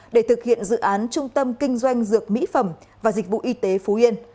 để thực hiện dự án trung tâm kinh doanh dược mỹ phẩm và dịch vụ y tế phú yên